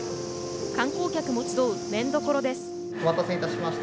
観光客も集う麺どころです。